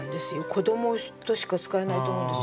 「こども」としか使えないと思うんですよね。